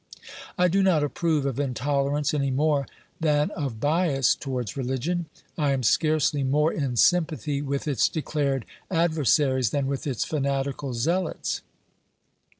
I do not approve of intolerance any more than of bias towards religion. I am scarcely more in sympathy with its declared adversaries than with its fanatical zealots.